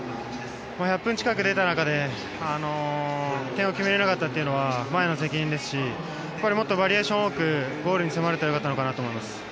１００分近く出た中で点を決められなかったのは前の責任ですしもっとバリエーション多くゴールに迫れたら良かったのかなと思います。